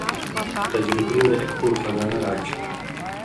تجربی وَیں ایک پُوریۡ خزانہ راڇھیۡ تھی۔